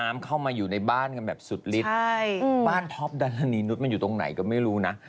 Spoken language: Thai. ไม่เป็นอยู่แถวบ้านใช่ไหมล่ะที่ไหนคุณแม่เขาอยู่ตึกสูง